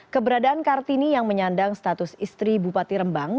keberadaan kartini yang menyandang status istri bupati rembang